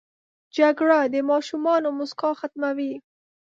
جګړه د ماشومانو موسکا ختموي